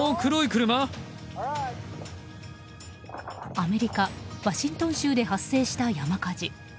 アメリカ・ワシントン州で発生した山火事。